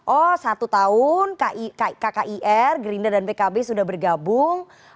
oh satu tahun kkir gerindra dan pkb sudah bergabung